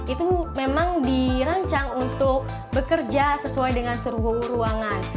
itu memang dirancang untuk bekerja sesuai dengan seru ruangan